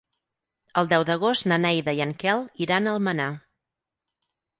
El deu d'agost na Neida i en Quel iran a Almenar.